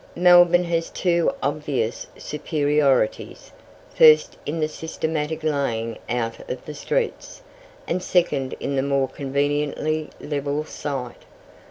Melbourne has two obvious superiorities first in the systematic laying out of the streets, and second in the more conveniently level site.